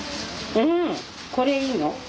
うんこれいいの？